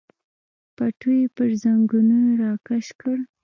پټو یې پر زنګنونو راکش کړ.